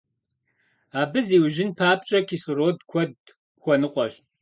Абы зиужьын папщӀэ, кислород куэд хуэныкъуэщ.